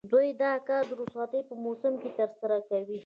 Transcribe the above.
دوی دا کار د رخصتیو په موسم کې ترسره کوي